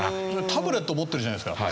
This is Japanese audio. タブレット持ってるじゃないですか。